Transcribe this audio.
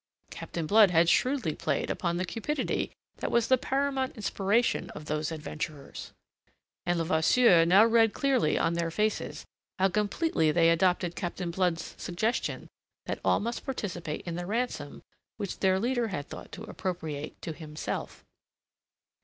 Captain Blood had shrewdly played upon the cupidity that was the paramount inspiration of those adventurers. And Levasseur now read clearly on their faces how completely they adopted Captain Blood's suggestion that all must participate in the ransom which their leader had thought to appropriate to himself.